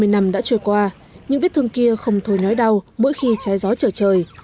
sáu mươi năm đã trôi qua những vết thương kia không thôi nói đau mỗi khi trái gió trở trời